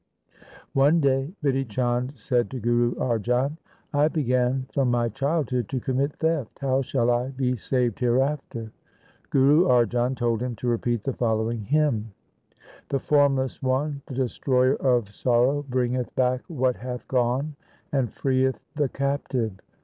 One day Bidhi Chand said to Guru Arjan, ' I began from my childhood to commit theft. How shall I be saved hereafter ?' Guru Arjan told him to repeat the following hymn :— The formless One, the Destroyer of sorrow, bringeth back what hath gone and freeth the captive.